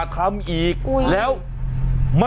โอ้โหโอ้โห